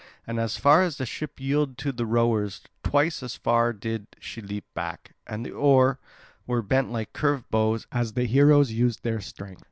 And as far as the ship yielded to the rowers, twice as far did she leap back, and the oar, were bent like curved bows as the heroes used their strength.